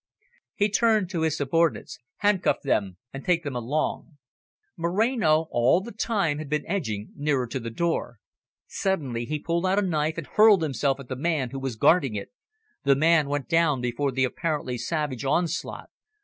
He turned to his subordinates. "Handcuff them and take them along." Moreno all the time had been edging nearer to the door. Suddenly he pulled out a knife, and hurled himself at the man who was guarding it. The man went down before the apparently savage onslaught.